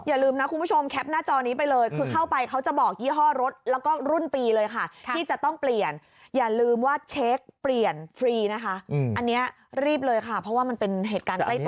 อย่าลืมนะคุณผู้ชมแคปหน้าจอนี้ไปเลยคือเข้าไปเขาจะบอกยี่ห้อรถแล้วก็รุ่นปีเลยค่ะที่จะต้องเปลี่ยนอย่าลืมว่าเช็คเปลี่ยนฟรีนะคะอันนี้รีบเลยค่ะเพราะว่ามันเป็นเหตุการณ์ใกล้ตัว